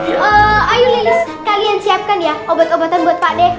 ee ayo lilihs kalian siapkan ya obat obatan buat pak d